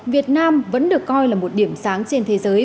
việt nam vẫn được coi là một điểm sáng trên thế giới